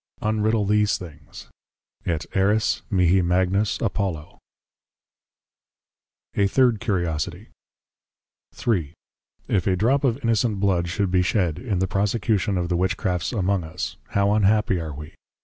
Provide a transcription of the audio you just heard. Unriddle these Things, Et Eris mihi magnus Apollo. A THIRD CURIOSITIE. III. If a Drop of Innocent Blood should be shed, in the Prosecution of the Witchcrafts among us, how unhappy are we!